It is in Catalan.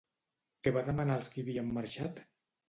Què va demanar als qui havien marxat?